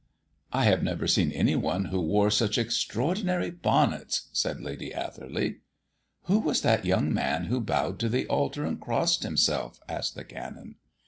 "I have never seen any one who wore such extraordinary bonnets," said Lady Atherley. "Who was that young man who bowed to the altar and crossed himself?" asked the Canon.